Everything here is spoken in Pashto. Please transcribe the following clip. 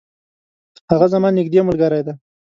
هغه زما نیږدي ملګری دی.